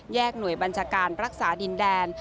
หน่วยบัญชาการรักษาดินแดน